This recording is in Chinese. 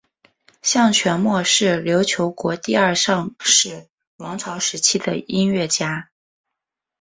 向全谟是琉球国第二尚氏王朝时期的音乐家。